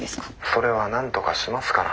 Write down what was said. それはなんとかしますから。